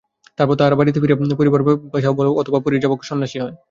তারপর তাহারা বাড়ীতে ফিরিয়া পারিবারিক পেশা অবলম্বন করে, অথবা পরিব্রাজক সন্ন্যাসী হয়।